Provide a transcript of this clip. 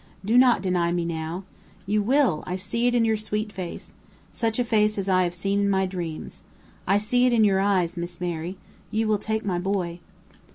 Do not deny me now. You will! I see it in your sweet face such a face as I have seen in my dreams. I see it in your eyes, Miss Mary! you will take my boy!"